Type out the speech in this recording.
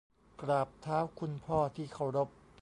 กราบเท้าคุณพ่อที่เคารพ